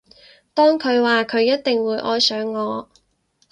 當佢話佢一定會愛上我